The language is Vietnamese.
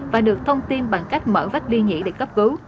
và được thông tin bằng cách mở vách đi nghỉ để cấp cứu